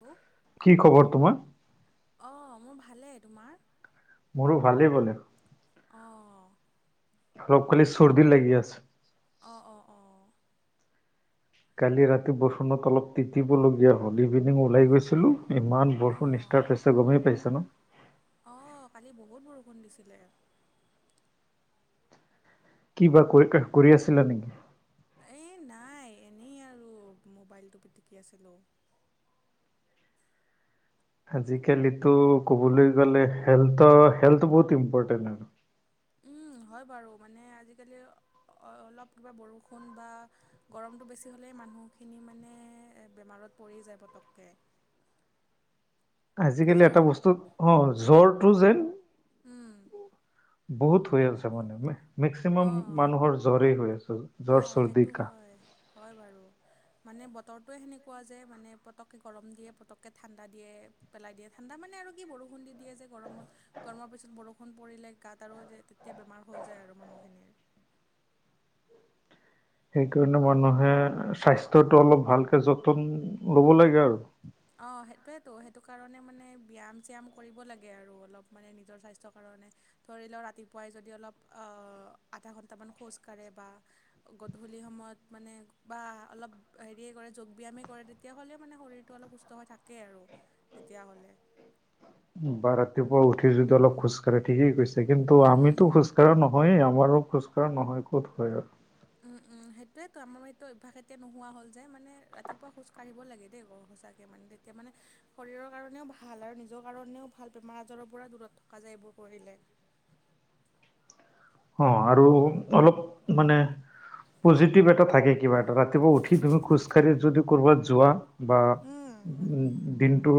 উ [unintelligible] কি খবৰ তোমাৰ? অ', মোৰ ভালেই, তোমাৰ? মোৰো ভালেই বোলে। অ'। অলপ খালী চৰদি লাগি আছে। অ', অ', অ'। কালি ৰাতি বৰষুণত অলপ তিতিবলগীয়া হয়। [unintelligible] ইভিনিং ওলাই গৈছিলোঁ, ইমান বৰষুণ ইষ্টাৰ্ত হৈছে গমেই পাইছে ন? অ', কালি বহুত বৰষুণ দিছিলে। কি বা কৰি-কৰি আছিলা নেকি? এই নাই, এনেই আৰু মোবাইলটো পিটিকি আছিলোঁ। আজিকালিতো ক'বলৈ গ'লে হেল্থৰ হেল্থ বহুত ইম্পৰটেণ্ট আৰু। উম, হয় বাৰু। মানে আজিকালি অ-অলপ কিবা বৰষুণ বা গৰমতটো বেছি হ'লেই মানুহখিনি মানে এ বেমাৰত পৰি যায় পতককে। [inaudible] আজিকালি নিজৰ এটা বস্তুত, অ', জ্বৰটো যেন বহুত হৈ আছে মানে, মেক্সিমাম অঁ মানুহৰ জ্বৰে হৈ আছে। জ্বৰ, অ', চৰ্দি, সেইটো কাহ। হয়- হয় বাৰু। মানে বতৰটোৱে সেনেকুৱা যে, মানে পটককে গৰম দিয়ে, পটককে ঠাণ্ডা দিয়ে। পেলাই দিয়ে, ঠাণ্ডা মানে আৰু কি বৰষুণ দি দিয়ে যে গৰমত। গৰমৰ পিছত বৰষুণ পৰিলে গাত আৰু সেই তেতিয়া বেমাৰ হৈ যায় আৰু মানুহখিনিৰ। সেইকাৰণে মানুহে স্বাস্থ্যটো অলপ ভালকে যতন ল'ব লাগে আৰু। অ', সেইটোৱেতো সেইটো কাৰণে মানে ব্যায়াম চ্যাম কৰিব লাগে আৰু অলপ মানে নিজৰ স্বাস্থ্য কাৰণে। ধৰি লওঁ ৰাতিপুৱাই যদি অলপ অ আধা ঘণ্টামান খোজ কাঢ়ে বা গধূলি সময়ত মানে বা অলপ হেৰিয়ে কৰে যোগ ব্যয়ামেই কৰে তেতিয়া হ'লেও মানে শৰীৰটো অলপ সুছ ত হৈ থাকে আৰু তেতিয়াহ'লে। বা ৰাতিপুৱা উঠি যদি অলপ খোজ কাঢ়ে, ঠিকেই কৈছে। তে কিন্তু আমিতো উম খোজ কঢ়া নহয়েই, আমাৰো খোজ কঢ়া নহয় ক'ত হয় আৰু। উম, উম, সেইটোয়েটো আমাৰ এইটো অভ্যাস এতিয়া নোহোৱা হ'ল যে, মান ৰাতিপুৱা খোজ কাঢ়িব লাগে দেই বাও সঁচা কে মানে তেতিয়া মানে শৰীৰৰ কাৰণেও ভাল আৰু নিজৰ কাৰণেও ভাল বেমাৰ আজাৰৰ পৰা দূৰত থাকে থকা যায় এইবোৰ কৰিলে। অ', আৰু অলপ মানে পজিটিভ এটা থাকে কিবা এটা, ৰাতিপুৱা উঠি তুমি খোজকাঢ়ি যদি ক'ৰবাত যোৱা বা উম দিনটো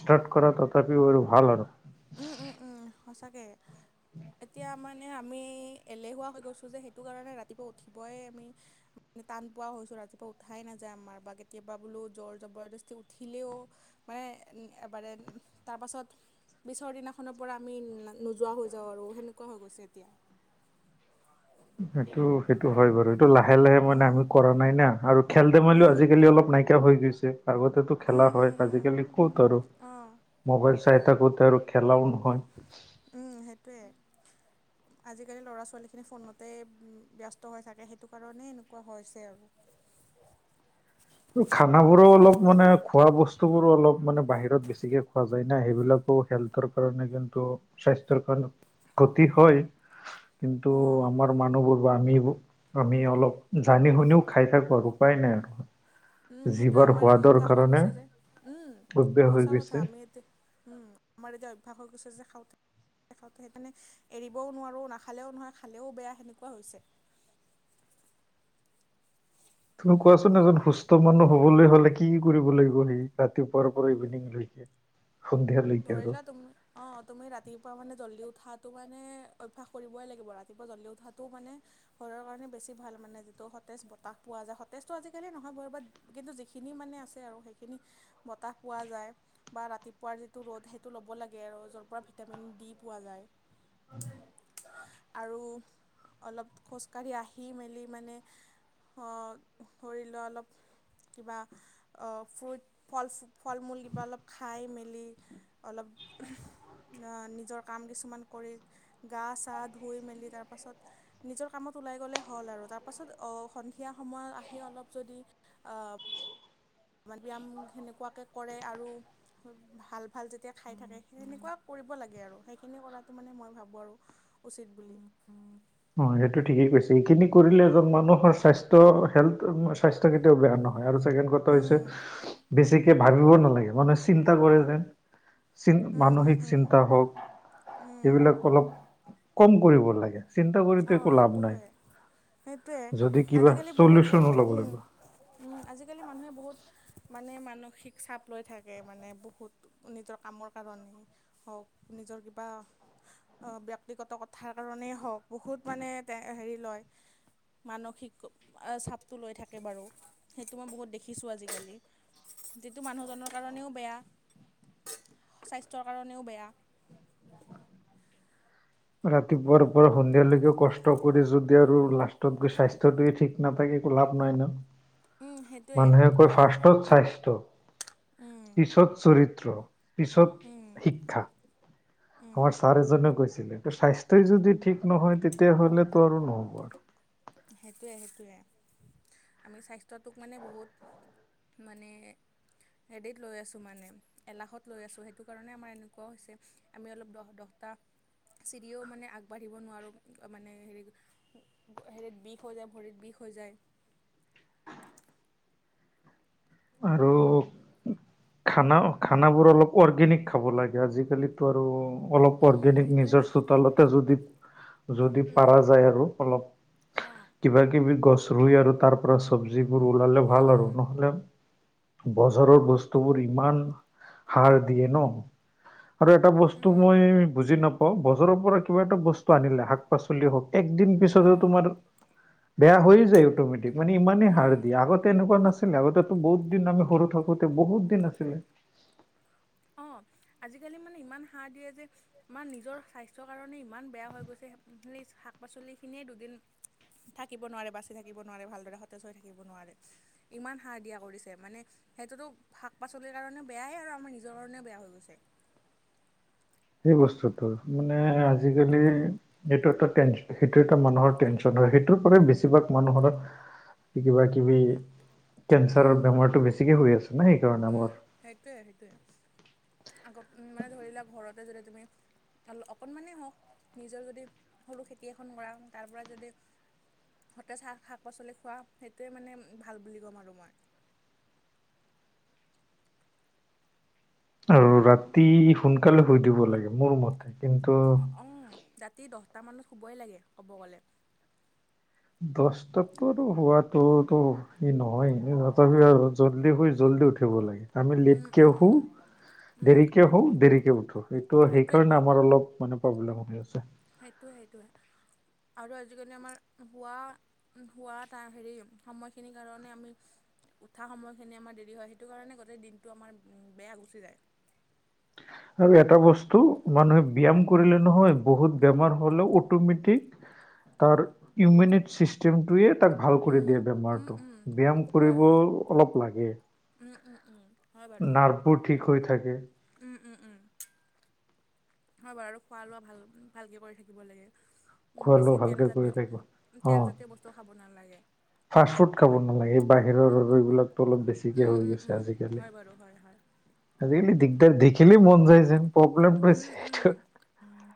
ষ্টাৰ্ট কৰা তথাপিও আৰু ভাল আৰু। উম, উম, উম, সঁচাকে। এতিয়া মানে আমি এলেহুৱা হৈ গৈছোঁ যে, সেইটো কাৰণে ৰাতিপুৱা উঠিবই আমি টান পোৱা হৈছো ৰাতিপুৱা উঠাই নাযায় আমাৰ বা কেতিয়াবা বোলো জ'ৰ জবৰদস্তি উঠিলেও মানে এ এবাৰে তাৰ পাছত পিছৰ দিনাখনৰ পৰা আমি নোযোৱা হৈ যাওঁ আৰু সেনেকুৱা হৈ গৈছে এতিয়া। সেইটো- সেইটো হয় বাৰু, এইটো লাহে- লাহে মানে উম, আমি কৰা নাই না আৰু খেল ধেমালিও উম, আজিকালি অলপ নাইকিয়া হৈ গৈছে। আগতেতো খেলা উম, হয়, উম, উম, আজিকালি ক'ত আৰু অ', মোবাইল চাই থাকোতে আৰু খেলাও নহয়। উম, সেইটোৱে। [inaudible] আজিকালি ল'ৰা ছোৱালীখিনি ফোনতে উম ব্যস্ত হৈ থাকে সেইটো কাৰণে এনেকুৱা হৈছে আৰু। খানাবোৰো অলপ মানে খোৱা বস্তু বোৰো অলপ মানে বাহিৰত বেছিকে খোৱা যায় না, সেইবিলাকো হেল্থৰ কাৰণে কিন্তু স্বাস্থ্যৰ কাৰণে ক্ষতি হয় কিন্তু অ', আমাৰ মানুহবোৰ বা আমিবো আমি অলপ জানি শুনিও খাই থাকোঁ আৰু উপায় নাই আৰু। উম, সেইটোৱে জিভাৰ আমাৰ এই সোৱাদৰ অভ্যাস হৈ কাৰণে গৈছে, যে উম, অভ্যাস হৈ সঁচা গৈছে কথা আমি এটো উম, আমাৰ এতিয়া অভ্যাস হৈ গৈছে যে খাওঁতে তে খাঁওতে, সেইকাৰণে এৰিবও নোৱাৰোঁ, নাখালেও নহয়, খালেও বেয়া সেনেকুৱা হৈছে। তুমি কোৱাচোন এজন সুস্থ মানুহ হ'বলে হ'লে কি- কি কৰিব লাগিব সি, ৰাতিপুৱাৰ পৰা ইভিনিং। [unintelligible] ধৰিলোৱা তুমি অ', তুমি ৰাতিপুৱা মানে জল্দি উঠাটো মানে অভ্যাস কৰিবই লাগিব, ৰাতিপুৱা জল্দি উঠাটো মানে শৰীৰৰ কাৰণে বেছি ভাল মানে, যিটো সতেজ বতাহ পোৱা যায় সতেজটো আজিকালি নহয় বাৰু, বাত কিন্তু যিখিনি মানে আছে আৰু সেইখিনি বতাহ পোৱা যায় বা ৰাতিপুৱাৰ যি টো ৰ'দ সেইটো ল'ব লাগে আৰু' য'ৰ পৰা ভিটামিন ডি পোৱা যায়। [inaudible] আৰু অলপ খোজকাঢ়ি আহি মেলি মানে অ', ধৰি লোৱা অলপ কিবা অ, ফ্ৰুইট ফলচ ফল মূল কিবা অলপ খাই মেলি অলপ [unintelligible] ন নিজৰ কাম কিছুমান কৰি গা চা ধুই মেলি তাৰপাছত নিজৰ কামত ওলাই গ'লে হ'ল আৰু তাৰপাছত অ, সন্ধিয়া সময়ত আহি অলপ যদি অ' বা ব্যায়াম সেনেকুৱাকে কৰে আৰু ভাল-ভাল যেতিয়া খাই থাকে সেনেকুৱা কৰিব লাগে আৰু। সেইখিনি কৰাটো মানে মই ভাৱোঁ আৰু উচিত বুলি। অ', সেইটো ঠিকেই কৈছে। এইখিনি কৰিলে এজন মানুহৰ স্বাস্থ্য হেল্থটো মচ স্বাস্থ্য কেতিয়াও বেয়া নহয় আৰু ছেকেন কথা হৈছে উম। বেছিকে ভাবিবও নালাগে মানেচ চিন্তা কৰি [unintelligible] উম, উম, মানসিক উম, চিন্তা হওঁক, উম, সেইবিলাক অলপ কম কৰিব লাগে। চিন্তা কৰিতো একো অ', লাভ সেইটো নাই হয়। সেইটোৱে, যদি কিবা আজিকালি বহুত, চলিউচন ওলাব উম। লাগিব উম, আজিকালি মানুহে বহুত মানে মানসিক চাপ লৈ থাকে মানে বহুত। নিজৰ কামৰ কাৰণে হওঁক, নিজৰ কিবা অ', ব্যক্তিগত কথাৰ কাৰণেই হওঁক, বহুত মানে তেঁ হেৰি লয় মানসিক এ চাপটো লৈ থাকে বাৰু, সেইটো মই বহুত দেখিছোঁ আজিকালি। যিটো মানুহজনৰ কাৰণেও বেয়া, স্বাস্থ্যৰ কাৰণেও বেয়া। ৰাতিপুৱাৰ, পৰা সন্ধিয়ালৈকে কষ্ট কৰি যদি আৰু লাষ্টত গৈ স্বাস্থ্যতোৱে ঠিক নাথাকে একো লাভ নাই ন? উম সেইটোৱে মানুহে কয় ফাৰ্ষ্টত স্বাস্থ্যয়, উম পিছত চৰিত্ৰ। উম পিছত শিক্ষা। [inaudible] আমাৰ ছাৰ এজনেও কৈছিলে, স্বাস্থ্যই যদি ঠিক নহয় তেতিয়াহ'লেতো আৰু নহ'ব আৰু। সেইটোৱে-সেইটোৱে, আমি স্বাস্থ্যটোক মানে বহুত মানে হেডিত লৈ আছোঁ মানে এলাখত লৈ আছোঁ, সেইটো কাৰণে আমাৰ এনেকুৱাও হৈছে। আমি অলপ দহ দহটা চিৰিও মানে আগবাঢ়িব নোৱাৰোঁ মানে হেৰি হেৰিত বিষ হৈ যায়, ভৰিত বিষ হৈ যায়। আৰু খানাউ, খানাবোৰ অলপ অৰ্গেনিক খাব লাগে। আজিকালিতো আৰু অলপ উম অৰ্গেনিক নিজৰ সেইটোৱেতো চোতালতে যদি-যদি উম পাৰা যায় আৰু। অলপ- অঁ কিবা কিবি গছ ৰুই আৰু তাৰ পৰা চব্জিবোৰ ওলালে উম ভাল আৰু, উম নহ'লে বজাৰৰ বস্তু ইমান হাৰ দিয়ে ন? আৰু এটা বস্তু উম মই বুজি নাপ বজাৰৰ পৰা কিবা এটা বস্তু আনিলা ল, শাক-পাচলিয়ে হওঁক একদিন পিছতে অঁ তোমাৰ বেয়া হৈয়ে যায় অট'মেটিক মানে ইমানেই উম হাৰ্ দিয়ে, আগতে এনেকুৱা নাছিলে। আগতেটো বহুত দিন আমি সৰু থাকোঁতে বহুত নাছিলে অ', আজিকালি মানে ইমান সাৰ দিয়ে। যে আমাৰ নিজৰ স্বাস্থ্যৰ কাৰণে ইমান বেয়া হৈ গৈছে, সেই শাক পাচলি খিনিয়ে দুদিন থাকিব নোৱাৰে বাচি থাকিব নোৱাৰে, ভালদৰে সতেজ হৈ থাকিব নোৱাৰে। ইমান সাৰ দিয়া কৰিছে, মানে সেইটোতো শাক পাচলিৰ কাৰণে বেয়াই আৰু আমাৰ নি নিজৰ কাৰণে বেয়া হৈ গৈছে। সেই বস্তুটোৰ, মানে আজিকালি সেইটো এটা টেনচ সেইটো এটা মানুহৰ টেনচন হয়, সেইটোৰ পৰাই বেছিভাগ মানুহৰ কিবা কিবি, কেঞ্চাৰৰ উম বেমাৰটো বেছিকে হৈ আছে না সেই কাৰণে আমাৰ। সেইটোয়ে- সেইটোয়ে, আগত মানে ধৰি লোৱা ঘৰতে যদি তুমি অকণমানেই হওঁক নিজৰ যদি সৰু খেতি এখন কৰা তাৰ পৰা যদি সতেজা শা শাক-পাচলি খোৱা, সেইটোৱে মানে ভাল বুলি ক'ম আৰু মই। আৰু ৰাতি সোনকালে শুই দিব লাগে, মোৰ মতে। কিন্তু অ', অ', ৰাতি দহটামানত শুবই লাগে ক'ব গ'লে। দচ টাতটো আৰু শুৱাটো এইটো এই নহয় এনে তথাপিও আৰু জল্দি শুই জল্দি উঠিব লাগে আমি উম লেটকে উম উম শোওঁ উম দেৰিকে শোওঁ দেৰিকে উঠো, এইটো সেইটোৱেতো সেইকাৰণে আমাৰ অলপ মানে প্ৰব্লেম হৈ আছে। সেইটোৱে- সেইটোৱে, আৰু আজিকালি আমাৰ শোৱা শোৱা তাৰ হেৰি সময়খিনিৰ কাৰণে আমি উঠা সময়খিনি আমাৰ দেৰি হয়, সেইটো কাৰণে গোটেই দিনটো আমাৰ বেয়া গুচি যায়। আৰু এটা বস্তু, মানুহে ব্যায়াম কৰিলে নহয় বহুত বেমাৰ হ'লেও অট'মেটিক তাৰ ইউমিনিন চিষ্টেমটোয়ে তাক ভাল কৰি উম দিয়ে উম বেমাৰটো, উম, ব্যায়াম হয় কৰিব হয় অলপ লাগে। উম উম উম, হয় বাৰ নাৰ্ভবোৰ ঠিক হৈ থাকে। উম, উম, উম। হয় বাৰু, খোৱা লোৱা ভাল ভালকে কৰি থাকিব লাগে। উম, খোৱা লোৱা বেছি তেল ভালকে কৰি জাতীয় থাকিব উম অ। তেলজাতীয় বস্তু খাব নালাগে। ফাষ্ট ফুড খাব নালাগে, বাহিৰৰ আৰু এইবিলাকতো অলপ বেছিকে উম হৈ উম গৈছে উম আজিকালি। হয় বাৰু হয়-হয়। আজিকালি দিগদাৰ, দেখিলই মন যায় যেন। প্ৰব্লেমটো উম, উম, সেইটো উম।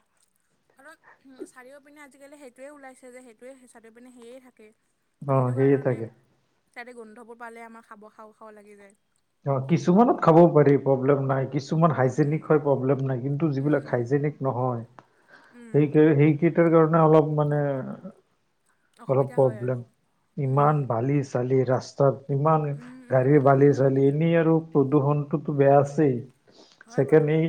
কাৰণ, চাৰিও পিনে আজিকালি সেইটোৱে ওলাইছে যে, সেইটোৱে চাৰিও পিনে সেয়ে থাকে। অ ত' সেইটো সেয়ে কাৰণে থাকে। তাতে গোন্ধবোৰ পালে আমাৰ খাব খাওঁ- খাওঁ লাগি যায়। অ', কিছুমানত খাব পাৰি প্ৰব্লেম নাই, কিছুমান হাইজেনিক উম, হয় প্ৰব্লেম নাই, কিন্তু যিবিলাক উম, হাইজেনিক নহয় উম, সেইটোৱে সেইকেইটাৰ কাৰণে অলপ মানে অলপ অসুবিধা হয় আৰু। প্ৰব্লেম, উম, ইমান বালি চ বালি ৰাস্তাত ইমান উম, উম, গাড়ী উম, বালি উম, চালি এনেই আৰু প্ৰদূষণটোতো বেয়া আছেই, হয় ছেকেণ্ড বাৰু। এই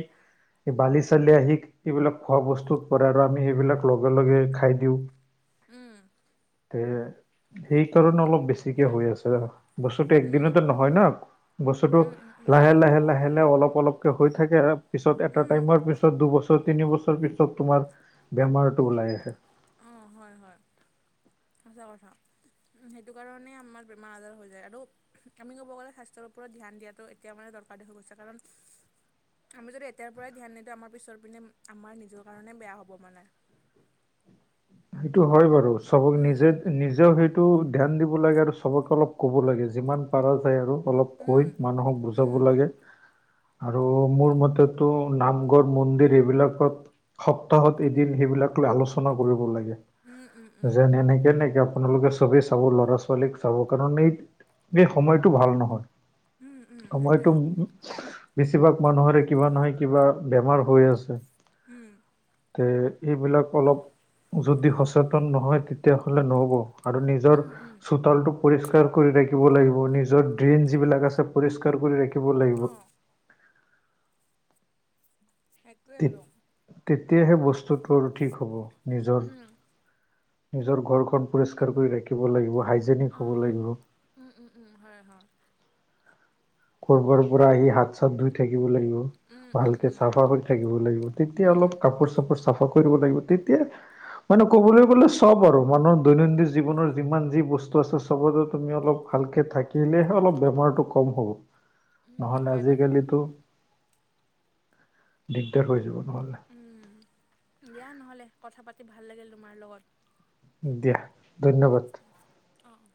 এই বালি চালি আহি এইবিলাক খোৱা বস্তুত পৰে আৰু আমি সেইবিলাক লগে-লগে খাই দিওঁ। উম, এ সেইকাৰণে অলপ বেছিকে হৈ আছে ৰ, বস্তুটো উম, একদিনতে নহয় ন। বস্তুটো উম, উম, উম, লাহে লাহে- লাহে-লাহে অলপ অলপকে হৈ থাকে, পিছত এটা উম, টাইমৰ পিছত দুবছৰ বছৰ তিনি বছৰ পিছত তোমাৰ বেমাৰটো ওলাই আহে। অ', হয়-হয়। সঁচা কথা, উম, সেইটো কাৰণে আমাৰ বেমাৰ আজাৰ হৈ যায় আৰু আমি ক'ব গ'লে স্বাস্থ্যৰ ওপৰত ধ্যান দিয়াটো এতিয়া মানে দৰকাৰী হৈ গৈছে কাৰণ আমি যদি এতিয়াৰ পৰাই ধ্যান নিদিওঁ আমাৰ পিছৰ পিনে, আমাৰ নিজৰ কাৰণে বেয়া হ'ব মানে। সেইটো হয় বাৰু, চবক নিজে উম, নিজেও সেইটো ধ্যান দিব লাগে আৰু চবকে অলপ ক'ব লাগে যিমান পাৰা যায় আৰু। অলপ উম, কৈ মানুহক বুজাব উম, লাগে। আৰু মোৰ মতেতো নামঘৰ, মন্দিৰ, এইবিলাকত সপ্তাহত এদিন সেইবিলাক লৈ আলোচনা কৰিব লাগে। উম, উম, উম, যেন এনেকে এ নেকি আপোনালোকে চবেই চাব ল'ৰা ছোৱালীক চাব কাৰণে, এই-এই সময়তটো ভাল নহয়। উম, উম, সময়তো, সেইটোৱে। বেছিভাগ মানুহৰে কিবা নহয় কিবা বেমাৰ হৈ আছে। উম। তে, এইবিলাক অলপ যদি সচেতন নহয় তেতিয়াহলে নহ'ব আৰু নিজৰ উম, উম, চোতালতো' পৰিষ্কাৰ কৰি ৰাখিব লাগিব, নিজৰ ড্ৰীম যিবিলাক আছে পৰিষ্কাৰ কৰি ৰাখিব লাগিব। অ', সেইটোৱে তে আৰু। তেতিয়াহে বস্তুটো আৰু ঠিক হ'ব। নিজৰ উম, নিজৰ ঘৰখন পৰিষ্কাৰ কৰি ৰাখিব লাগিব, হাইজেনিক হ'ব লাগিব। উম-উম, হয়-হয়। কৰবাৰ পৰা আহি হাত চাত ধুই থাকিব লাগিব, উম, উম, ভালকৈ উম, চাফা কৰি থাকিব লাগিব। তেতিয়া উম, অলপ কাপোৰ চাপোৰ চাফা কৰিব লাগিব, তেতিয়া মানে ক'বলৈ গ'লে চব আৰু মানুহৰ দৈনন্দিন জীৱনৰ যিমান যি বস্তু আছে চবতে তুমি অলপ ভালকে থাকিলেহে অলপ বেমাৰটো কম হ'ব। উম, নহলে হয় বাৰু আজিকালিতো, দিগদাৰ হৈ যাব নহলে। উম, দিয়া নহ'লে কথা পাতি ভাল লাগিল তোমাৰ লগত। দিয়া, উম, ধন্যবাদ। অ', অ'।